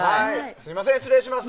すみません、失礼します。